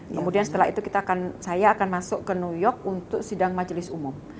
kemudian setelah itu saya akan masuk ke new york untuk sidang majelis umum